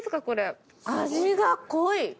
これ味が濃い！